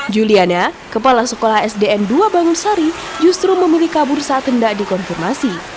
juliana kepala sekolah sdn dua bangun sari justru memilih kabur saat hendak dikonfirmasi